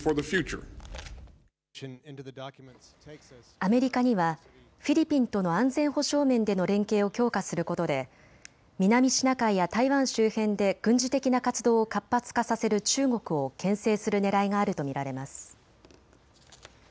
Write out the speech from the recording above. アメリカにはフィリピンとの安全保障面での連携を強化することで南シナ海や台湾周辺で軍事的な活動を活発化させる中国をけん制するねらいがあると見られます。